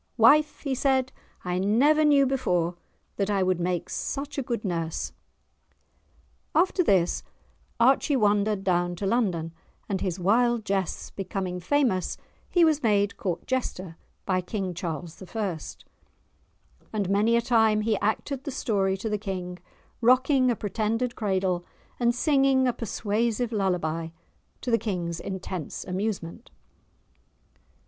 "Wife," he said, "I never knew before that I would make such a good nurse." After this Archie wandered down to London, and his wild jests becoming famous, he was made Court Jester by King Charles I. And many a time he acted the story to the King, rocking a pretended cradle, and singing a persuasive lullaby, to the King's intense amusement.